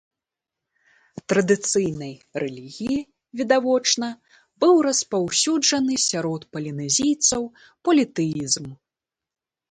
Традыцыйнай рэлігіяй, відавочна, быў распаўсюджаны сярод палінезійцаў політэізм.